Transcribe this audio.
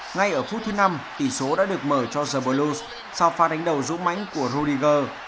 ngay ở phút thứ năm tỷ số đã được mở cho zabalus sau pha đánh đầu rút mánh của rudiger